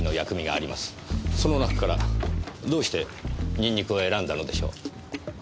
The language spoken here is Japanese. その中からどうしてニンニクを選んだのでしょう？